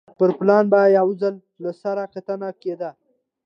پر پلان به یو ځل له سره کتنه کېده